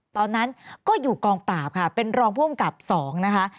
ตอนนั้นก็อยู่กองปราบค่ะเป็นรองภูมิกับ๒นะคะ